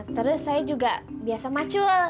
terus saya juga biasa macul